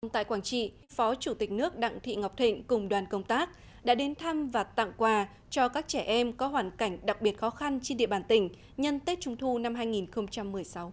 tại quảng trị phó chủ tịch nước đặng thị ngọc thịnh cùng đoàn công tác đã đến thăm và tặng quà cho các trẻ em có hoàn cảnh đặc biệt khó khăn trên địa bàn tỉnh nhân tết trung thu năm hai nghìn một mươi sáu